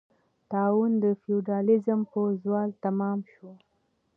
طاعون د فیوډالېزم په زوال تمام شو.